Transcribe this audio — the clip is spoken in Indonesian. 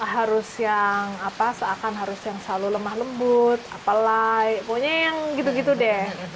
harus yang apa seakan harus yang selalu lemah lembut apalagi pokoknya yang gitu gitu deh